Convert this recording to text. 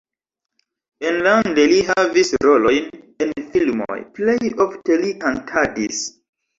Enlande li havis rolojn en filmoj, plej ofte li kantadis.